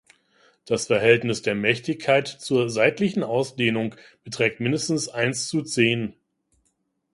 Das Verhältnis der Mächtigkeit zur seitlichen Ausdehnung beträgt mindestens eins zu zehn.